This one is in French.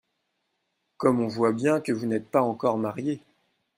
Comme on voit bien que vous n’êtes pas encore mariés.